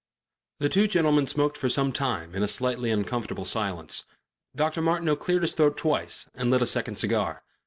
The two gentlemen smoked for some time in a slightly uncomfortable silence. Dr. Martineau cleared his throat twice and lit a second cigar.